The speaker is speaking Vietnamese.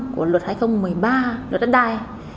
một trăm linh năm của luật hai nghìn một mươi ba luật đất đai